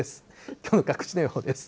きょうの各地の予報です。